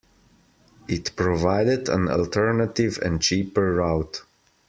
It provided an alternative and cheaper route.